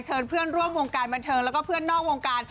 เพื่อนร่วมวงการบันเทิงแล้วก็เพื่อนนอกวงการ